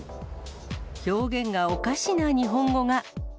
表現がおかしな日本語が。